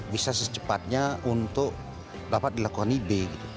bisa secepatnya untuk dapat dilakukan ib